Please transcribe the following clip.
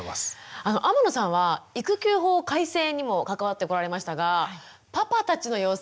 天野さんは育休法改正にも関わってこられましたがパパたちの様子